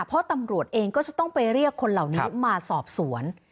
เพราะตำรวจเองก็จะต้องไปเรียกคนเหล่านี้มาสอบสวน